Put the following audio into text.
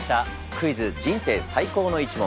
「クイズ！人生最高の一問」。